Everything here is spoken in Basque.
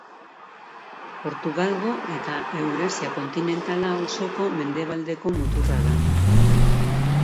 Portugalgo eta Eurasia kontinentala osoko mendebaldeko muturra da.